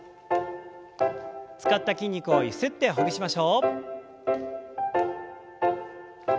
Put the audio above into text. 使った筋肉をゆすってほぐしましょう。